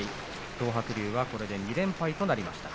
東白龍はこれで２連敗となりました。